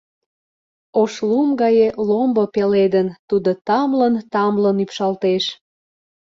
Ош лум гае ломбо пеледын, тудо тамлын-тамлын ӱпшалтеш.